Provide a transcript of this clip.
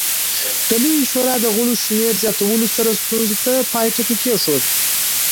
د لویې شورا د غړو شمېر زیاتولو سره ستونزې ته پای ټکی کېښود